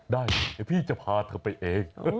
ได้เดี๋ยวพี่จะพาเธอไปเอง